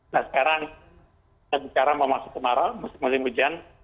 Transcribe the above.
nah sekarang kita bicara mau masuk kemarau musim musim hujan